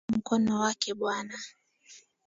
Nimeona mkono wake bwana.